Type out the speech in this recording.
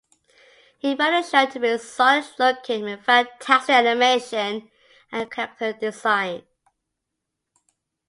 He found the show to be solid-looking with fantastic animation and character design.